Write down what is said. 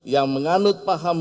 yang menganut paham